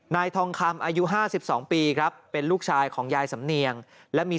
นายทองคำอายุ๕๒ปีครับเป็นลูกชายของยายสำเนียงและมี